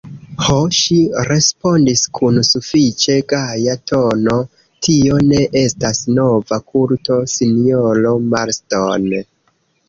Ho, ŝi respondis kun sufiĉe gaja tono, tio ne estas nova kulto, sinjoro Marston.